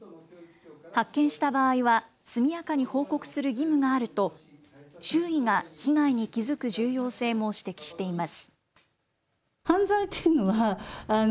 発見した場合は速やかに報告する義務があると周囲が被害に気付く重要性も指摘しています。